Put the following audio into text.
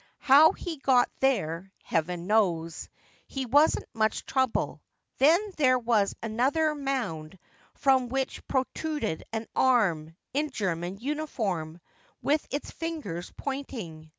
How he got there, Heaven knows. He wasn't much trouble. Then there was another mound from which protruded an arm, in German uniform, with its ringers pointing.